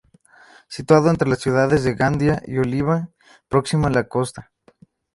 Situado entre las ciudades de Gandía y Oliva, próximo a la costa.